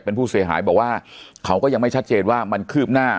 เป็นผู้เสียหายบอกว่าเขาก็ยังไม่ชัดเจนว่ามันคืบหน้า